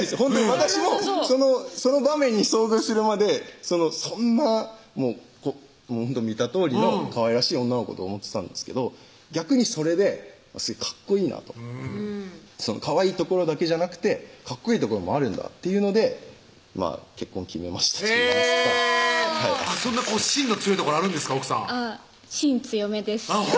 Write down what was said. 私もその場面に遭遇するまでそんな見たとおりのかわいらしい女の子と思ってたんですけど逆にそれでかっこいいなとうんかわいいところだけじゃなくてかっこいいところもあるんだっていうので結婚決めましたといいますかへぇそんなしんの強いところあるんですか奥さんしん強めですほんと！